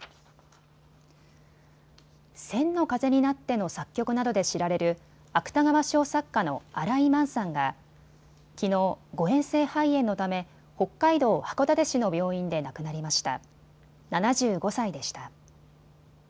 千の風になっての作曲などで知られる芥川賞作家の新井満さんがきのう、誤えん性肺炎のため北海道函館市の病院で亡くなりました。